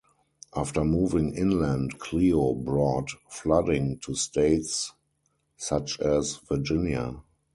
After moving inland, Cleo brought flooding to states such as Virginia.